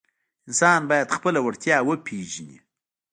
انسان باید خپله وړتیا وپیژني.